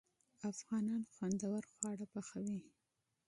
افغانان خوندور خواړه پخوي.